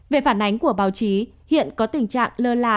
về phản ánh của báo chí hiện có tình trạng lơ là